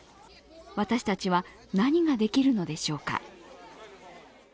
私たちは何ができるのでしょうか。